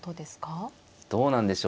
どうなんでしょうか。